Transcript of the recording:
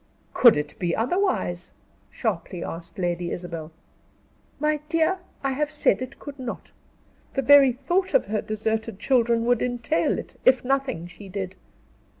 "Could it be otherwise?" sharply asked Lady Isabel. "My dear, I have said it could not. The very thought of her deserted children would entail it, if nothing she did.